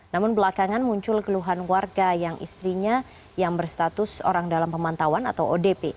namun belakangan muncul keluhan warga yang istrinya yang berstatus orang dalam pemantauan atau odp